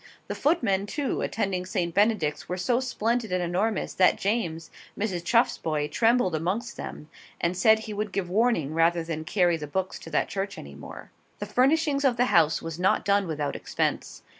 The footmen, too, attending St. Benedict's were so splendid and enormous, that James, Mrs. Chuff's boy, trembled amongst them, and said he would give warning rather than carry the books to that church any more. The furnishing of the house was not done without expense.